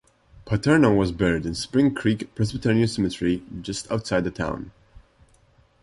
Paterno was buried in Spring Creek Presbyterian Cemetery just outside the town.